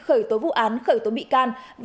khởi tố vụ án khởi tố bị can